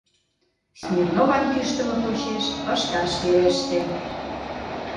Смирнован кӱштымӧ почеш ышташ вереште.